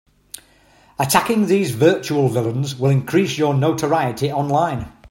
Attacking these virtual villains will increase your notoriety online.